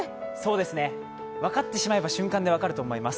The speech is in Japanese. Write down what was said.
分かってしまえば瞬間で分かると思います。